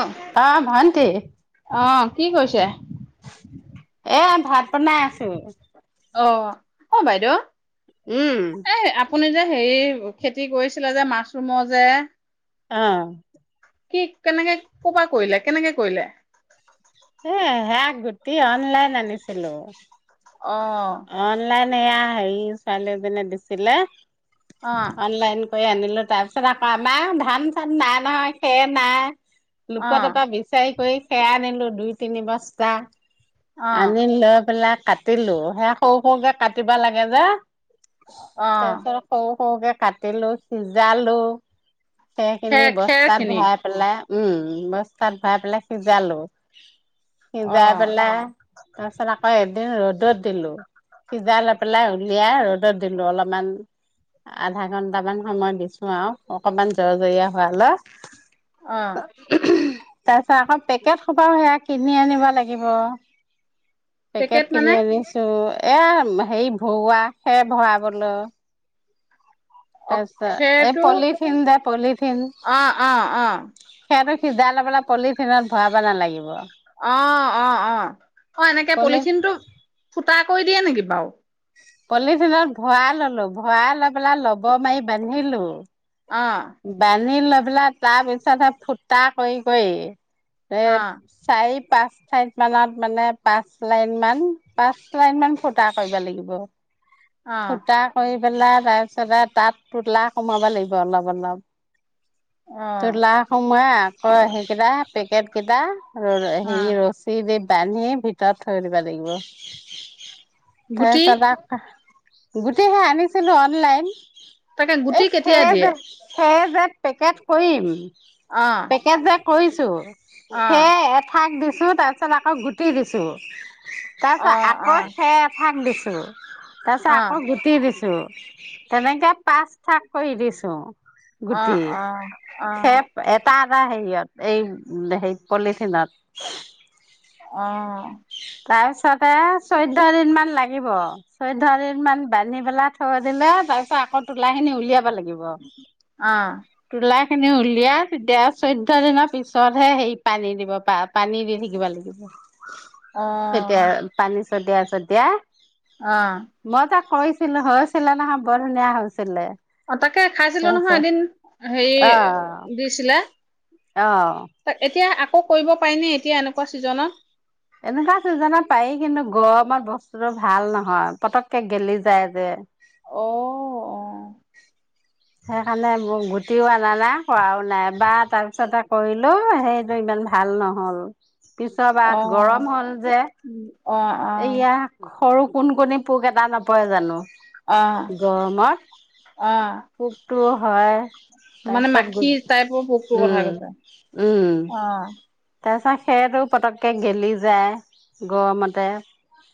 অহ, অ' ভন্টি অহ কি কৰিছে? এ ভাত বনাই আছোঁ। অহ, অ' বাইদেউ উম। এই আপুনি যে হেৰি খেতি কৰিছিলা যে মাছৰুমৰ যে অহ। কি কেনেকে ক' পা কৰিলে, কেনেকে কৰিলে? হে সেয়া গুটি অনলাইন আনিছিলোঁ। অ', অনলাইন এয়া হেৰি, ছোৱালীজনীয়ে দিছিলে অ', অনলাইন কৰি আনিলোঁ। তাৰ পিছত আকৌ আমাৰ ধান-চান নাই নহয়। খেৰ নাই লুকুৱাত অ', এটা বিচাৰি কৰি খেৰ আনিলোঁ। দুই, তিনি বছতা অ', আনি লৈ পেলায় কাটিলোঁ। সেয়া সৰু, সৰুকে কাটিব লাগে যে অ', তাৰ পিছত সৰু সৰুকে কাটিলোঁ। সিজালোঁ সেইখিনি খেৰ খেৰ বস্তাত খিনি ভৰাই পেলাই উম, বস্তাত ভৰাই পেলাই, সিজালোঁ সিজাই অ', পেলাই। তাৰ পিছত আকৌ এদিন ৰ'দ ৰ'দত দিলোঁ। সিজাই লৈ পেলাই উলিয়াই ৰ'দত দিলোঁ। অলপমান আধা ঘণ্টামান সময় দিছোঁ আৰু অকণমান জৰ-জৰীয়া হোৱালৈ অহ। তাৰ পিছত, আকৌ পেকেট সোপাও সেয়া কিনি আনিব লাগিব পেকেট কি [unintelligible] এ হেৰি ভৰুৱা সে ভৰাবলৈ। অ', তাৰপিছত, এই খেৰটো পলিথিন দে পলিথিন, অ', অ', অ', সিহঁতৰ সিজাই ল'বলৈ পলিথিনত ভৰাব নালাগিব। অ', অ', অ', অ', এনেকে পলি পলিথিনটো ফুটা কৰি দিয়ে নেকি বাৰু? পলিথিনত ভৰাই ললোঁ, ভৰাই লৈ পেলাই, ল'বৰ মাৰি বান্ধিলোঁ। অ'। ন্ধি লৈ পেলাই তাৰ পিছত সে ফুটা কৰি কৰি এ অ', চাৰি পাঁচ ঠাইত মানত মানে, পাঁচ লাইন মান, পাঁচ লাইনমান ফুটা কৰিব লাগিব। ব অ', ফুটা কৰি পেলাই তাৰ পিছতে তাত পোতলা সোমাব লাগিব অলপ অলপ। অ', তোলা সোমোৱাই কই সেইকেইটা পেকেট কেইটা ৰ-ৰ, অ', হেৰি ৰছী দি টানিয়ে ভিতৰত থৈ দিব লাগিব। গুটি গুটি সেই আনিছিলোঁ, অনলাইন। তাকে গুটি এই কেতিয়া খেদ, দিয়ে? খেদ যে পেকেট কৰিম অ', পেকেট যে কৰিছোঁ। সেয়ে এথাক দিছ ছো, তাৰপিছত আকৌ গুটি দিছোঁ। তাৰপিছত আকৌ খেৰ এফাক দিছোঁ। তাৰ পিছত আকৌ গুটি দিছোঁ। তেনেকে পাঁচ থাক কৰি দিছোঁ। গুটি, খেপ এটা টা হেৰিয়ত এই হেইত, পলিথিনত। অ'। পিছতে চৈধ্য দিন মান লাগ লাগিব, চৈধ্য দিন মান বান্ধি পেলাই থৈ দিলে তাৰ পিছত আকৌ তোলা খিনি উলিয়াব লাগিব। অ'। তোলা খিনি উলিয়াই তেতিয়া চৈধ্য দিনৰ পিছতহে সেই পানী দিব পা-পানী দি থাকিব লাগিব। তেতিয়া পানী ছতিয়াই ছতিয়াই অ'। কৰিছিলো হৈছিলে নহয়, বৰ ধুনীয়া হৈছিলে। অ', তাকে খাইছিলো নহয় তাৰপিছত এদিন হেৰি অ দিছিলে, অ তা, এতিয়া আকৌ কৰিব পাৰিনে? এতিয়া এনেকুৱা ছিজনত? এনেকুৱা চিজনত পাৰি কিন্তু গৰমত বস্তুটো ভাল নহয়, পতককে গেলি যায় যে। অ', অ'। সেইকাৰণে ম গুটিও অনা নাই কৰাও নাই বা তাৰপিছতে কৰিলো সেইটো ইমান ভাল নহ'ল। পিছাৰ বাৰত অ', গৰম হ'ল যে। অ', অ', এয়া সৰু কোন কোণনি পোক এটা নপৰে জানো? অ', অ'। পোকটোও হয়। মানে তাৰপিছত গো মাখি টাইপৰ পোকটোৰ কথা উম, কৈছা? উম, অ'। তাৰপিছত সেইটো পটককৈ গেলি যায়, গৰমতে।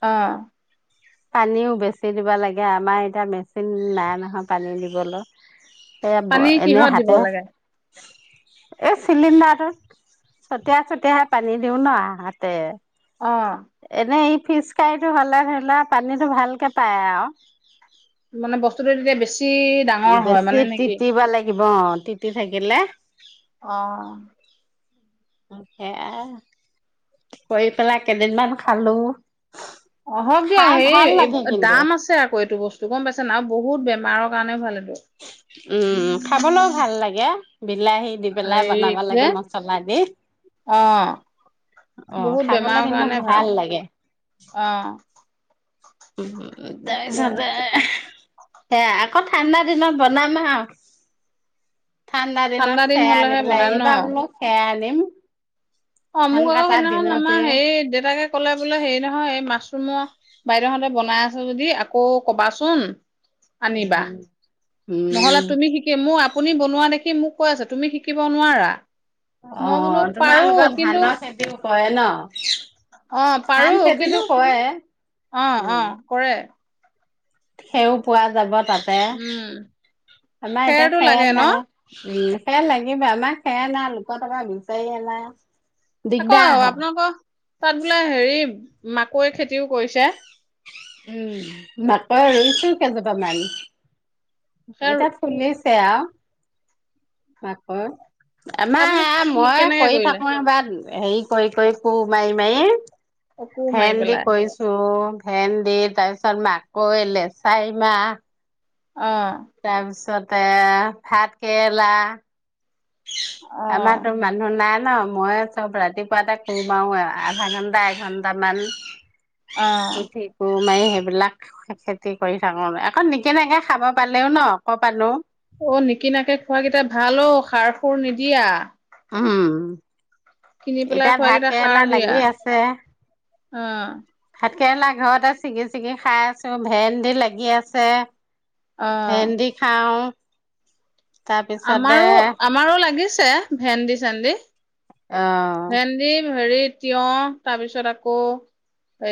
অ'। পানীও বেচি দিব লাগে আমাৰ এতিয়া মেচিন নাই নহয় পানী দিব গল পানী কিহত দিব লাগে? এই চিলিণ্ডাৰটোত, চতিয়াই-চতিয়াহাই পানী দিও ন, হাতে। অ', এনেই। ফিচ কাৰীটো হ'লে ধৰিলোৱা পানীতো ভালকে পায় আৰু। মানে বস্তুতটো তেতিয়া বেছি কি ডাঙৰ হয় মানে নেকি? থাকিব অ', তিতি থাকিলে। অ', সেয়া। কৰি পেলাই কেইদিনমান খালোঁ। অ', হক দিয়ক খাই ভাল হেৰি লাগে কিন্তু দাম আছে আকৌ এইটো বস্তু গম পাইছে নাই? বহুত বেমাৰৰ কানে ভালে উম, খাবলৈও ভাল লাগে। বিলাহী দি পেলাই হেৰি বানাবা যে লাগে মচলা দি অ অ' বহুত খাবলৈ বেমাৰৰ কিন্তু কাৰণে ভাল লাগে। অ উম, তাকে তাৰপিছতে সেয়া আক [unintelligible] দিনত বনাবা ঠাণ্ডা দিনত দিন সেইয়া আনি হলেহে পেলাই বনাই ন এইবাৰ বোলো সেইয়াই [inaudible] অ' মোক আকৌ সেইদিনাখন আমাৰ হেৰি দেউতাকে ক'লে বোলে হেৰি নহয় এই মাছ মই বাইদেউহতে বনাই আছো যদি আকৌ কবাচোন। আনিবা, উম উম নহ'লো তুমি শিকি মোৰ আপুনি বনোৱা দেখি মোক কৈ আছে, তুমি শিকিব নোৱাৰা অ মই বোলো পাৰো। তোমালোকৰ কিন্তু ধানৰ খেতিও কৰে ন? অ পাৰো ধান কিন্তু খেতিটো কৰে। অ' অ' কৰে। সেইও পোৱা যাব। তাতেই‌, উম আমাৰ এতিয়া খেৰটো লাগে খেৰ ন? নাই। উম। সেয়া লাগিব আমাক, সেয়া নাই লোকৰ টকা বিচাৰিয়ে নাই। আকৌ আপোনালোকৰ তাত বোলে হেৰি মাকৈ খেতিও কৰিছে? উম, নাপায় ৰুইছো কেইজোপামান। সেয়া [unintelligible] [unintelligible] মাকে আপুনি আমাৰ কি মই কেনেকে কৰি কৰিলে? থাকো এইবাৰ হেৰি কৰি কৰি কুৰ মাৰি মাৰি অকু মাৰি ভেণ্ডি পেলাই কৰিছোঁ ভেণ্ডি, তাৰপিছত মাকৈ, লেচাই মাহ। অ', তাৰপিছত আহ, ভাত কেৰেলা। অ', আমাৰতো মানুহ নাই ন মই চব ৰাতিপুৱাতে কুৰ মাৰো এ আউ, আধা ঘন্টা এঘন্টামান অ', [unintelligible] সেইবিলাক খেতি কৰি থাকো আমি, আকৌ নিকিনাকে খাব পালেও ন [unintelligible] অ', নিকিনাকে খোৱাকেইটা ভাল অ', সাৰ সুৰ নিদিয়া। উম। কিনি পেলাই এতিয়া খোৱা ভাত কেইটা কেৰেলা সাৰ লাগি আছে দিয়া। অ'। ভাত কেৰেলা ঘৰতে চিগি, চিগি খাই আছো। ভেন্দি লাগি আছে। অ', ভেন্দি খাওঁ। তাৰপিছতে আমাৰো, আমাৰো লাগিছ ছে, ভেন্দি চেন্দি। অ'। ভেন্দি হেৰি তিয়হ, তাৰপিছত আকৌ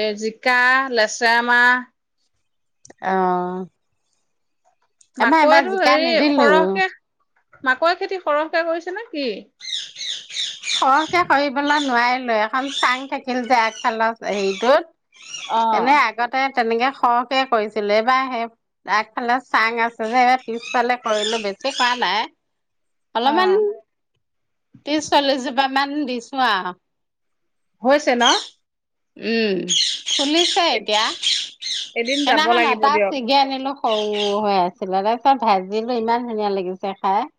এ জিকা, লেচেৰা মাহ। অ'। আমৰ এইবাৰ মাকৈটো জিকা হেৰি নিদিলোঁ। সৰহকে মাকৈ খেতি সৰহকে কৰিছে নে কি? সৰহকে কৰিবলৈ নোৱাৰিলোৱে, এখন চাং থাকিল যে আগফালৰ হেৰিটোত। অ', এনে আগতে তেনেকে সৰহকে কৰিছিলোঁ, এইবাৰ সেই আগফালে চাং আছে যে, এইবাৰ পিছফালে কৰিলোঁ, বেছি কৰা নাই। অলপমান অ', ত্ৰিশ, চল্লিছ জোপা মান দিছোঁ আৰু। হৈছে ন? উম। ফুলিছে এতিয়া, এদিন যাব সেইদিনাখন লাগিব এটা দিয়ক। ছিগি আনিলোঁ। সৰু হৈ আছিলে, তাৰপিছত ভাজিলোঁ, ইমান ধুনীয়া লাগিছে খাই।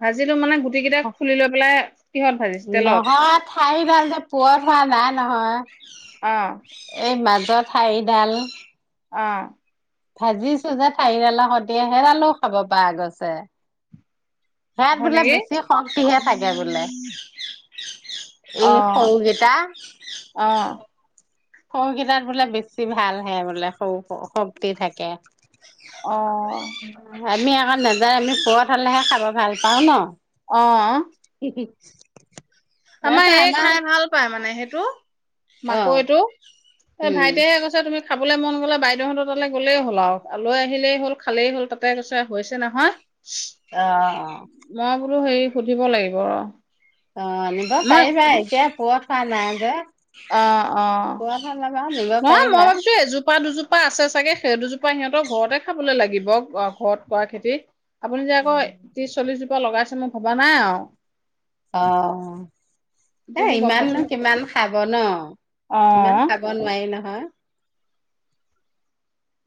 ভাজিলো মানে গোট গোটেই কেইটা খুলি লৈ পেলাই কিহত ভাজিছে তেলত? ঠাৰি ডাল যে, পূৰঠ হোৱা নাই নহয়। অ'। এই মাজৰ ঠাৰিডাল। অ', ভাজিছো যে ঠাৰিৰেলা সৈতে হেৰালও খাব পাৰা গছে। ইয়াত হয় বোলে নেকি? বেছি শক্তিহে থাকে বোলে, এই অ', সৰুকেইটা। অ', সৰুকেইটাত বোলে বেছি ভালহে বোলে সৰু সৰু শক্তি থাকে। আমি অ', আকৌ নাজ এইবাৰ আমি [unintelligible] হ'লেহে খাব ভাল পাও ন? অ',। [inaudible] আমাৰ এই খাই ভাল পায় মানে [unintelligible] সেইটো। অ মাকৈটো এ, উম ভাইটিহে কৈছে, তুমি খাব খাবলৈ মন গ'লে, বাইদেউহতৰ তালৈ গলেই হ'ল, আৰু লৈ আহিলেই হ'ল, খালেই হ'ল, তাতে কৈছে হৈছে নহয়। আহ, অ'। মই বোলো হেৰি, সুধিব লাগিব অ'। অ', নিব পাৰিবা এতিয়া কৈ থোৱা নাই যে। অ', অ', পুৰত হলে বাৰু নিব নহয় মই পাৰিবা। ভাবিছো, এজোপা-দুজোপা আছে চাগে, সেই দুজোপ সিহঁতৰ ঘৰতে খাবলৈ লাগিব, অ', ঘৰত কৰা খেতি। আপুনি যে, আকৌ ত্ৰিশ, চল্লিছ জোপ ক লগাইছে মই ভবা নাই আৰু অ'। এ, এতিয়াহে গম পাইছো ইমাননো কিমান খাব ন? অ ইমান খাব নোৱাৰি নহয়।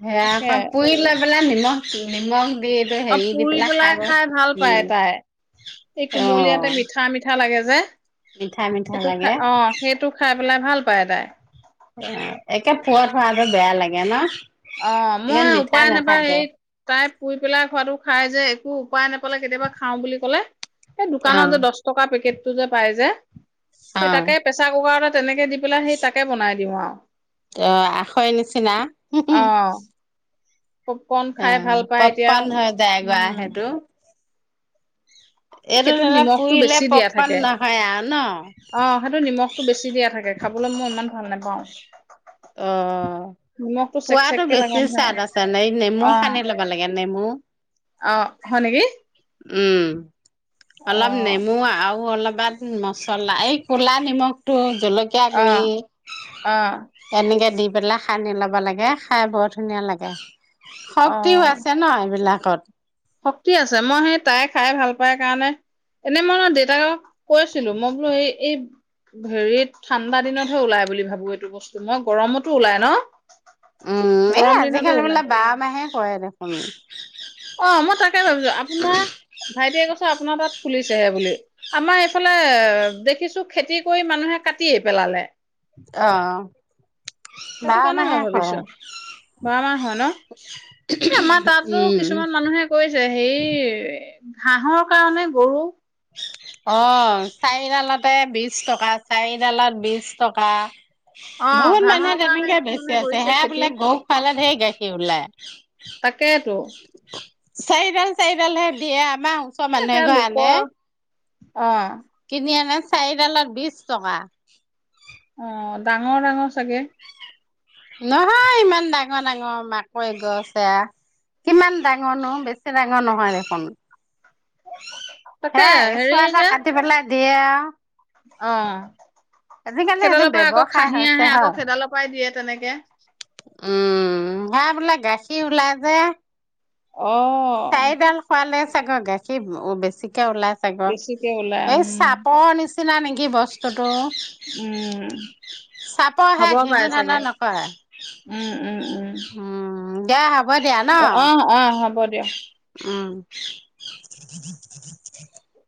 হেয়া আক, তাকে পুই লব [unintelligible] নিমখ, নিমখ দি এইটো অ', হেৰি দি পুৰি পেলাই পেলায় খাব খায় ভাল উম পায় তাই, অহ ', কুমলীয়াতে অ মিঠা - মিঠা লাগেযে, যে, মিঠা মিঠা সেইটো লাগে খাই অ', সেইটো খাই, পেলাই ভাল পায় তাই, একে পুৱা-থুৱা হোৱাটো বেয়া লাগে ন',? অ', ইমান মই মিঠা উপায় নাপায় নাথাকে হে', তাই, শুই পেলাই খোৱাটো খাই যে, একো উপায় নাপালে কেতিয়াবা খাওঁ বুলি ক'লে, এই', অ দোকানত যে দচ -টকা পেকেট, তোৰ যে', পাই যে, অ এই, তাকে প্ৰেচাৰ-কুকাৰতে তেনেকে, সেই দি পেলাই, সেই তাকে বনাই দিওঁ আৰু, অ', আখৈ নিচিনা, অ', পপকৰ্ণ খাই ভাল পাই এতিয়া উম, [unintelligible] এইটো সেইটোত ধৰি লওক নিমখটো পুৰিলে বেছি দিয়া পপকন থাকে, নহয় আৰু ন অ', সেইটো নিমখটো বেছি দিয়া থাকে। খাবলৈ মই, ইমান ভাল নেপাওঁ। অ', চেক পুৰাটো চেককে লাগে বেছি স্বাদ নহয় আছে ন', নেমু অ', সানি ল'ব লাগে। নেমু অ', হয় নেকি উম',। অলপ অ', নেমু, আৰু অলপ। কাৰবাত মছলা এই ক'লা নিমখটো থাকে জলকীয়া গু়ি অ', অ', এনেকে দি- সকলো বোৰ সানি ল'ব লাগে, খাই বৰত ধুনীয়া লাগে। শক্তি হয় অ', আছে এইবিলাক। কাত শক্তি আছে মই সেই তাই খাই ভাল পাই কাৰণে, এনে মই দেউতাকক কৈছিলো বোলো এই এই, সেৰি ঠান্দা দিনত ওলায় বুলি ভাবো এইটো বত মই গৰমত ও ওলাই ন? উম, আজিকালি গৰম দিনতো প্ৰায় ওলাই সকলো মাহতে উপলব্ধ হয়। অ', মই তেনেকুৱাই ভাবিছিলোঁ। আপোনাৰ ভাইটিয়ে কৈছিল যে আপোনালোকৰ তাতো পোৱা যায়। ফুলিছেহে বুলি। আমাৰ এইফালে দেখিছোঁ, মানুহে খেতি কৰি পিছত কাটিও পেলাইছে আহ সেইকাৰণেই মই ভাবিছিলোঁ যে বাৰ মাহেই হয় নেকি। আমাৰ তাতো উম কিছুমান মানুহে তেনেকুৱাই কৈছে। হয়, ঘাঁহৰ কাৰণে গৰু পালন কৰে। অ', চাৰিডালৰ দাম বিশ টকা। বহুত মানুহে তেনেকৈ কয়। অ সেইটো ঘাঁহৰ খুৱালে কাৰণে গৰুৱে কিছুমানে কৰিছে বোলে খেতি বেছি গাখীৰ দিয়ে। উ- তাকেইতো, চাৰিডাল চাৰিডাল হে দিয়ে আ আমাৰ ওচৰৰ এ মানুহ সেয়া এঘৰে আনে। লোকৰ অ'। কিনি আনে চাৰি ডালত বিশ টকা। অ', ডাঙৰ ডাঙৰ চাগে। নহয়, মাকৈ গছবোৰ ইমান ডাঙৰ নহয় দেখোন, বেছি ডাঙৰ হোৱা নাই। তাকে হয়, হেৰি যে সেইবোৰ কাটি পেলাইছে। [inaudible] অ', আজিকালি সেইটো সেইডালৰ পৰা আকৌ ব্যৱসায় খাহী হৈছে আহে, আকৌ সেইডালৰ পৰাই দিয়ে। উম, সেইয়া বোলে গাখীৰ ওলাই যে। অ'। আৰু গাখীৰ বেছি হয়। ওলাইছে গৈ বেছিকে ওলাই এই উম, চাপৰ নিচিনা বস্তুটো ভাল নেকি? উম। চাপৰহে, হ'ব ঘেঁহু পাৰে চাগে। ধানৰ নকৰে, উম, উম, উম, উম্। উম, দিয়া হে। অ', অ', হ'ব। হ'ব দিয়া। [inaudible]